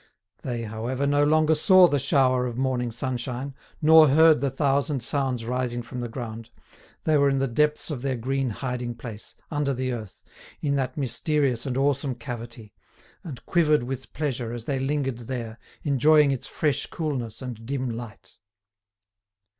They, however, no longer saw the shower of morning sunshine, nor heard the thousand sounds rising from the ground; they were in the depths of their green hiding place, under the earth, in that mysterious and awesome cavity, and quivered with pleasure as they lingered there enjoying its fresh coolness and dim light.